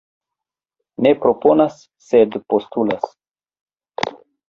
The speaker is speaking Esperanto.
Ne proponas sed postulas.